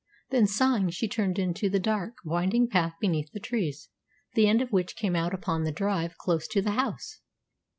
Then, sighing, she turned into the dark, winding path beneath the trees, the end of which came out upon the drive close to the house.